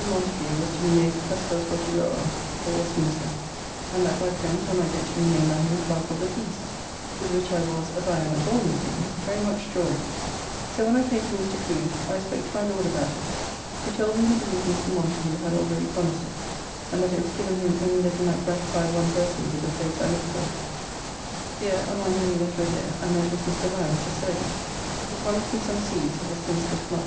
Montagu was to be made 'Custos Rotulorum' for Westminster, and that by friends I might get to be named by him Clerk of the Peace, with which I was, as I am at all new things, very much joyed, so when I came to Mr. Crew's, I spoke to my Lord about it, who told me he believed Mr. Montagu had already promised it, and that it was given him only that he might gratify one person with the place I look for. Here, among many that were here, I met with Mr. Lynes, the surgeon, who promised me some seeds of the sensitive plant.